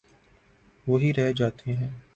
وہی رہ جاتے ہیں۔